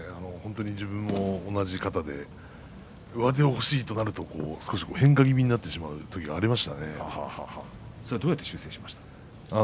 自分も同じ型で上手が欲しいとなると少し変化気味になってしまう時がどうやって修正しましたか。